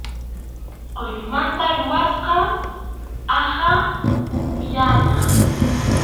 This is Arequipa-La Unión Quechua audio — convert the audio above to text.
Kʼullumanta rurasqa aqha upyana.